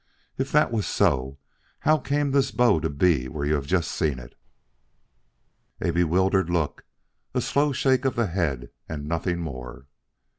If that was so, how came this bow to be where you have just seen it?" A bewildered look, a slow shake of the head and nothing more.